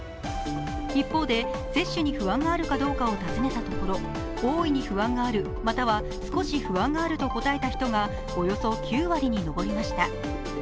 一方で、接種に不安があるかどうかを尋ねたところ大いに不安があるまたは、少し不安があると答えた人がおよそ９割に上りました。